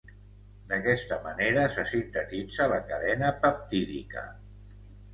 D'aquesta manera se sintetitza la cadena peptídica.